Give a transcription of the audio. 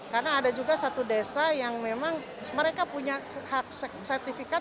karena ada juga satu desa yang memang mereka punya hak sertifikat